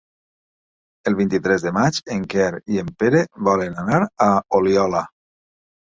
El vint-i-tres de maig en Quer i en Pere volen anar a Oliola.